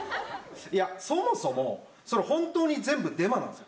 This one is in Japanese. いや、そもそも、それ、本当に全部デマなんですか？